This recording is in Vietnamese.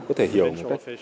có thể hiểu một cách